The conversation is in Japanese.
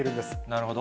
なるほど。